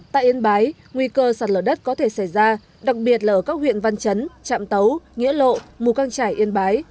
tại yên bái nguy cơ sạt lở đất có thể xảy ra đặc biệt là ở các huyện văn chấn trạm tấu nghĩa lộ mù mù căng trải yên bái